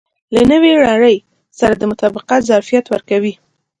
له نوې نړۍ سره د مطابقت ظرفیت ورکوي.